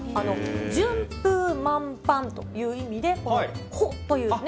順風満帆という意味で、帆という。